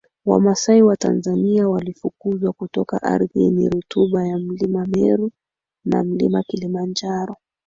Wamasai wa Tanzania walifukuzwa kutoka ardhi yenye rutuba ya Mlima Meru na Mlima Kilimanjaro